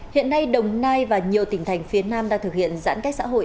hiện nay đồng nai và nhiều tỉnh thành phía nam đang thực hiện giãn cách xã hội